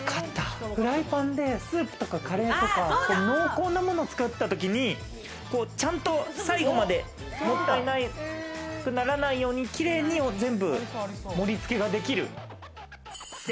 フライパンでスープとかカレーとか濃厚なものを作った時に、ちゃんと最後までもったいなくならないように綺麗に盛り付けができる。